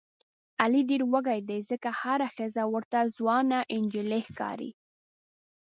علي ډېر وږی دی ځکه هره ښځه ورته ځوانه نجیلۍ ښکاري.